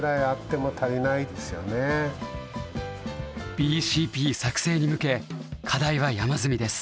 ＢＣＰ作成に向け課題は山積みです。